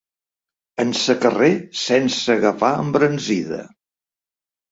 En secarrer Sense agafar embranzida.